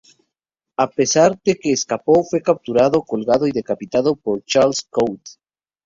A pesar de que escapó, fue capturado, colgado y decapitado por Charles Coote.